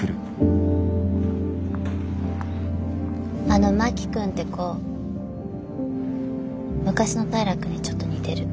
あの真木君って子昔の平君にちょっと似てる。